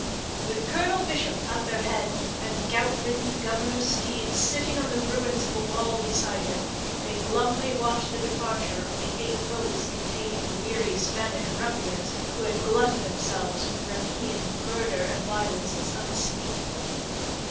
With Colonel Bishop at their head, and gout ridden Governor Steed sitting on the ruins of a wall beside him, they glumly watched the departure of the eight boats containing the weary Spanish ruffians who had glutted themselves with rapine, murder, and violences unspeakable.